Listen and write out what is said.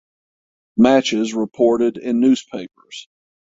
Matches reported in newspapers.